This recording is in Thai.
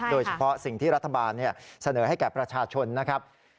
โดยเฉพาะสิ่งที่รัฐบาลเสนอให้แก่ประชาชนนะครับ